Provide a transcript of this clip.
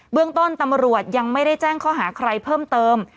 เรื่องต้นตำรวจยังไม่ได้แจ้งข้อหาใครเพิ่มเติม